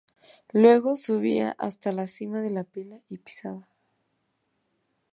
Luego, subía hasta la cima de la pila y pisaba.